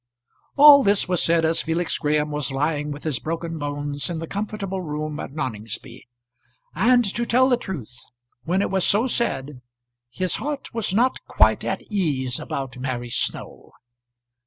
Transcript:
All this was said as Felix Graham was lying with his broken bones in the comfortable room at Noningsby; and to tell the truth, when it was so said his heart was not quite at ease about Mary Snow.